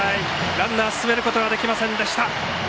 ランナーを進めることはできませんでした。